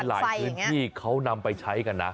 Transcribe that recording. หลายพื้นที่เขานำไปใช้กันนะ